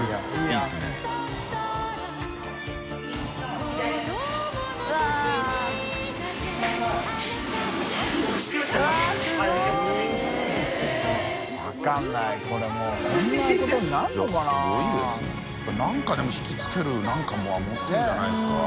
やっぱり何かでも引き付ける何かは持ってるんじゃないですか？